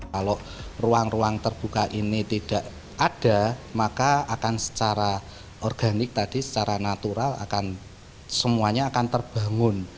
kalau ruang ruang terbuka ini tidak ada maka akan secara organik tadi secara natural akan semuanya akan terbangun